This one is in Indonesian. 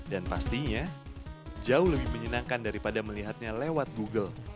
dan pastinya jauh lebih menyenangkan daripada melihatnya lewat google